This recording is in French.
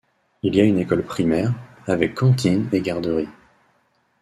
Il y a une école primaire, avec cantine et garderie.